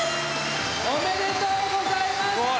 おめでとうございます！